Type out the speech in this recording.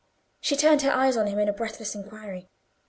She turned her eyes on him in breathless inquiry.